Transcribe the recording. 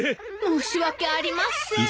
申し訳ありません。